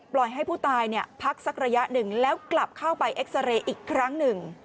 ให้ผู้ตายพักสักระยะหนึ่งแล้วกลับเข้าไปเอ็กซาเรย์อีกครั้งหนึ่ง